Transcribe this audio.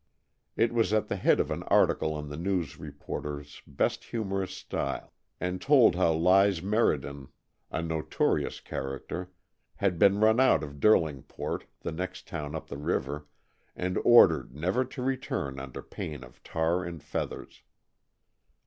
It was at the head of an article in the News reporter's best humorous style, and told how Lize Merdin, a notorious character, had been run out of Derlingport, the next town up the river, and ordered never to return under pain of tar and feathers.